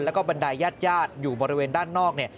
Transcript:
แล้วก็บันไดญาติยาดอยู่บริเวณด้านนอก